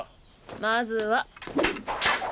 まずは。